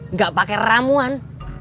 nggak pakai ramuan